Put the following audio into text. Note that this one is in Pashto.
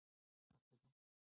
زه د موبايل په زنګ راپاڅېدم.